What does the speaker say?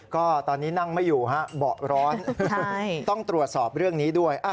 ก็ตอนนี้นั่งไม่อยู่ฮะเบาะร้อนต้องตรวจสอบเรื่องนี้ด้วย